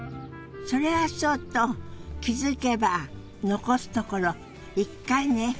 それはそうと気付けば残すところ１回ね。